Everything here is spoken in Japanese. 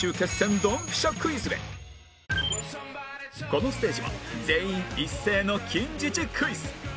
このステージは全員一斉の近似値クイズ